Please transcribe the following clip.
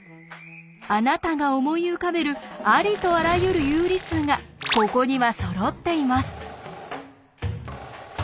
あなたが思い浮かべるありとあらゆる有理数がここにはそろっています。